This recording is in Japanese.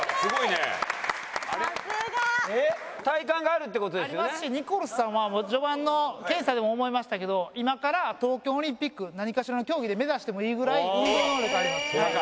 ありますしニコルさんは序盤の検査でも思いましたけど今から東京オリンピック何かしらの競技で目指してもいいぐらい運動能力あります。